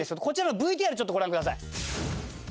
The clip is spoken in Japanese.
こちらのＶＴＲちょっとご覧ください。